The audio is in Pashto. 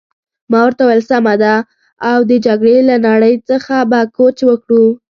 ما ورته وویل: سمه ده، او د جګړې له نړۍ څخه به کوچ وکړو.